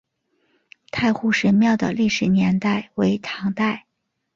大湖神庙的历史年代为唐代。